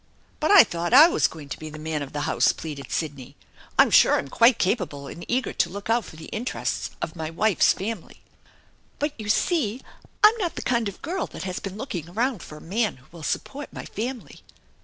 " But I thought I was going to be the man of the house,^ pleaded Sidney. "I'm sure I'm quite capable and eager to look out for the interests of my wife's family." "But you see I'm not the kind of a girl that has been looking around for a man who will support my family."